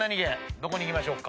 どこにいきましょうか？